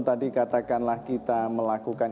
tadi katakanlah kita melakukan